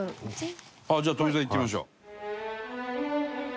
じゃあ富澤いってみましょう。